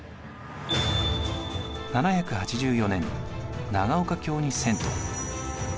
７８４年長岡京に遷都。